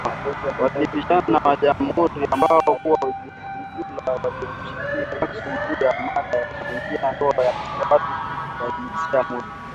Walipishana na wa-jamhuri ambao kwa ujumla walimshinikiza Jackson, juu ya mada kuanzia ndoa za watu wa jinsia moja.